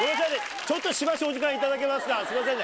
ちょっとしばしお時間頂けますかすいませんね。